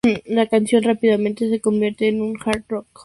La canción rápidamente se convierte en un hard rock.